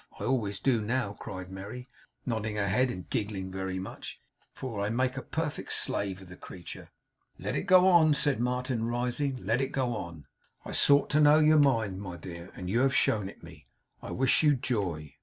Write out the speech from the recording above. I always do now,' cried Merry, nodding her head and giggling very much; 'for I make a perfect slave of the creature.' 'Let it go on,' said Martin, rising. 'Let it go on! I sought to know your mind, my dear, and you have shown it me. I wish you joy.